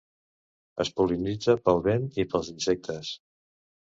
Es pol·linitza pel vent i pels insectes.